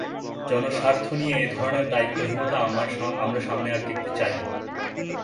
জনস্বার্থ নিয়ে এ ধরনের দায়িত্বহীনতা আমরা সামনে আর দেখতে চাই না।